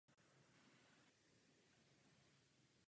Pod sousedním Veselým vrchem se nachází ložisko zlata.